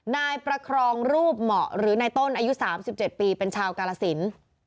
นายประครองรูปเหมาะหรือในต้นอายุ๓๗ปีเป็นชาวกาลสิน